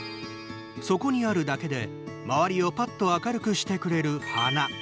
そこにあるだけで周りをぱっと明るくしてくれる花。